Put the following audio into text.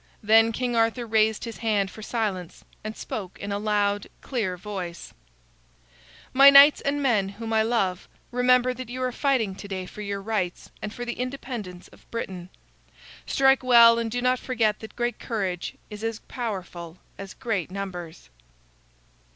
Then King Arthur raised his hand for silence, and spoke in a loud, clear voice: "My knights and men whom I love, remember that you are fighting to day for your rights and for the independence of Britain. Strike well, and do not forget that great courage is as powerful as great numbers."